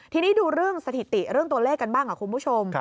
ทีนี้ดูเรื่องสถิติเรื่องตัวเลขกันบ้างค่ะคุณผู้ชม